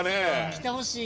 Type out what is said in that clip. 来てほしい。